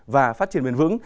và phát triển miền vững